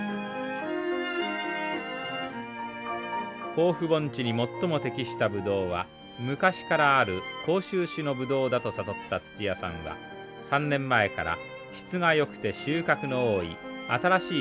甲府盆地に最も適したブドウは昔からある甲州種のブドウだと悟った土屋さんは３年前から質がよくて収穫の多い新しい栽培方法を研究しています。